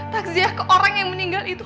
takziah ke orang yang meninggal itu